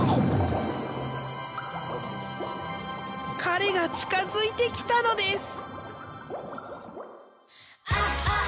彼が近づいてきたのです！